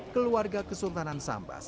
keluarga kesultanan sambas